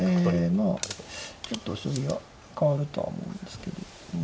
まあちょっと将棋が変わるとは思うんですけど。